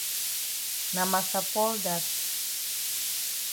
Na massa Paul dat.